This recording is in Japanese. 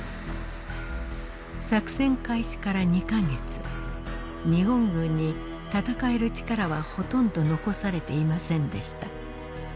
作戦開始から２か月日本軍に戦える力はほとんど残されていませんでした。